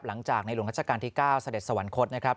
หลังจากในหลวงราชการที่๙เสด็จสวรรคตนะครับ